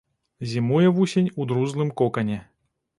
Зімуе вусень ў друзлым кокане.